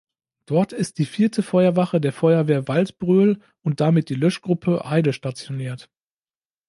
Dort ist die vierte Feuerwache der Feuerwehr Waldbröl und damit die Löschgruppe Heide stationiert.